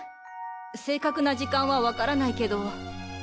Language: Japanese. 正確な時間は分からないけど。